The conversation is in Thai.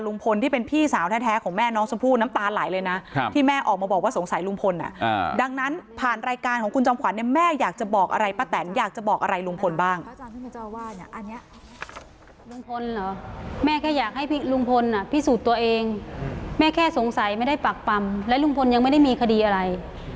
ลุงพลเหรอแม่แค่อยากให้ลุงพลพิสูจน์ตัวเองแม่แค่สงสัยไม่ได้ปรับปรำและลุงพลยังไม่ได้มีคดีอะไร